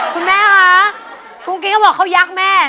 คุณแม่คะกุ๊กกี้ก็บอกเขายักษ์แม่